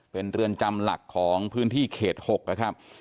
เป็นเรือนจำหลักของพื้นที่เขต๖นะครับ